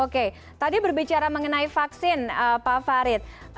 oke tadi berbicara mengenai vaksin pak farid